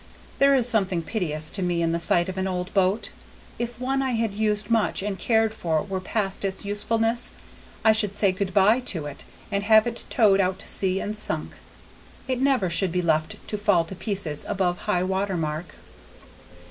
There is something piteous to me in the sight of an old boat. If one I had used much and cared for were past its usefulness, I should say good by to it, and have it towed out to sea and sunk; it never should be left to fall to pieces above high water mark.